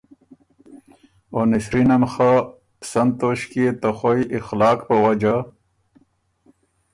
او نسرینه م خه سن توݭکيې ته خوَئ اخلاق په وجه